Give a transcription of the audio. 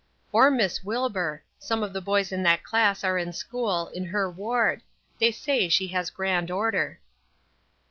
"Or Miss Wilbur. Some of the boys in that class are in school, in her ward; they say she has grand order."